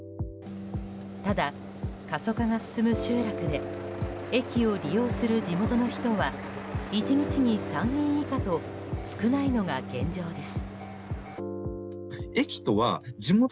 ただ、過疎化が進む集落で駅を利用する地元の人は１日に３人以下と少ないのが現状です。